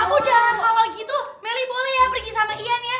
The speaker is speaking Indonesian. ya udah kalo gitu meli boleh ya pergi sama ian ya